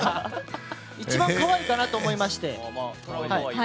一番可愛いかなと思いまして。